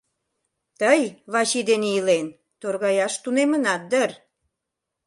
Тый, Вачи дене илен, торгаяш тунемынат дыр?